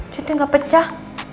jadi gak pecah